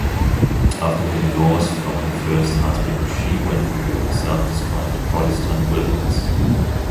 After her divorce from her first husband, she went through a self-described "Protestant wilderness".